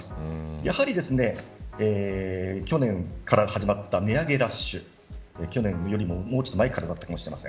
やはり去年から始まった値上げラッシュ去年よりも、もうちょっと前からだったかもしません。